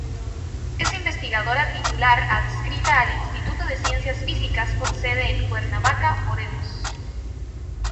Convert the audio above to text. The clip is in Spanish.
Es Investigadora titular adscrita al Instituto de Ciencias Físicas con sede en Cuernavaca, Morelos.